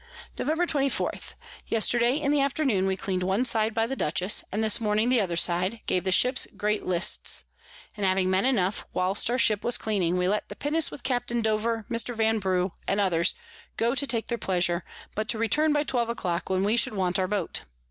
Nov. 24. Yesterday in the Afternoon we clean'd one side by the Dutchess, and this Morning the other side, gave the Ships great Lists; and having Men enough, whilst our Ship was cleaning, we let the Pinnace with Capt. Dover, Mr. Vanbrugh, and others, go to take their pleasure, but to return by twelve a clock, when we should want our Boat.